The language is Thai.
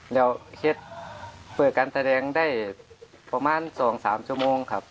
เดี๋ยวเช็ดเปิดการแสดงได้ประมาณ๒๓ชั่วโมงครับ